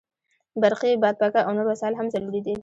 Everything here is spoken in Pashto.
برقي بادپکه او نور وسایل هم ضروري دي.